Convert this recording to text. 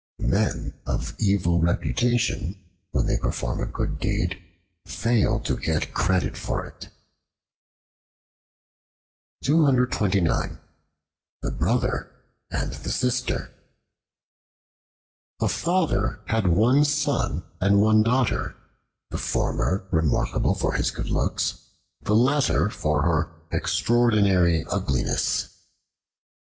Men of evil reputation, when they perform a good deed, fail to get credit for it. The Brother and the Sister A FATHER had one son and one daughter, the former remarkable for his good looks, the latter for her extraordinary ugliness.